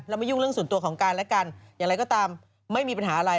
แล้วไม่ยุ่งเรื่องส่วนตัวของกันและกันอย่างไรก็ตามไม่มีปัญหาอะไร